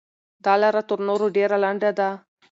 دا لاره تر نورو ډېره لنډه ده.